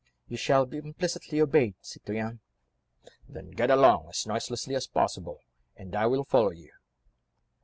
"You shall be implicitly obeyed, citoyen." "Then get along as noiselessly as possible, and I will follow you."